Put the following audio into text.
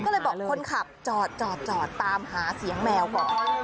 ก็เลยบอกคนขับจอดตามหาเสียงแมวก่อน